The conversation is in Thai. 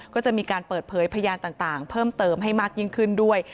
ก็จะมีการเปิดเผยพยานต่างเพิ่มเติมให้มากยิ่งขึ้นด้วย